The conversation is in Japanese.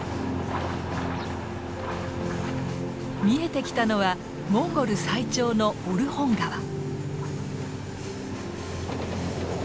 見えてきたのはモンゴル最長のオルホン川。